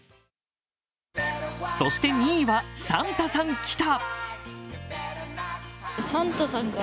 そして２位はサンタさん来た。